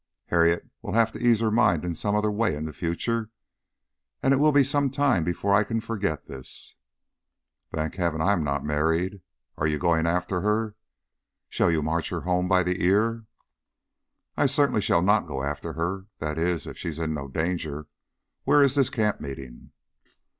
"Harriet will have to ease her mind in some other way in the future. And it will be some time before I can forget this." "Thank heaven I am not married. Are you going after her? Shall you march her home by the ear?" "I certainly shall not go after her that is, if she is in no danger. Where is this camp meeting?"